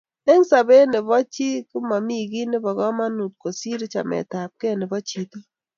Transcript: eng' sabet nebo chii mami kii nebo kamangut kosir chamet ab gee nebo chito